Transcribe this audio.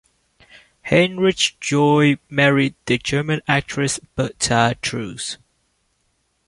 Heinrich George married the German actress Berta Drews.